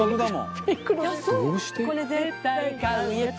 「これ絶対買うやつ！」